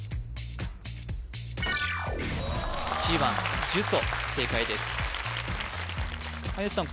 １番じゅそ正解です林さん